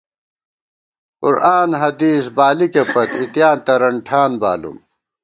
قرآن حدیث بالِکےپت، اِتېاں ترَن ٹھان بالُوم